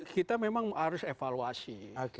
kita memang harus evaluasi